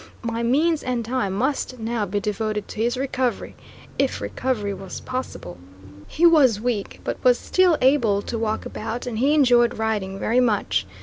My means and time must now be devoted to his recovery, if recovery, was possible. He was weak, but was still able to walk about, and he enjoyed riding very much.